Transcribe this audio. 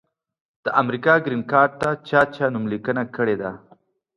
د امریکا ګرین کارټ ته چا چا نوملیکنه کړي ده؟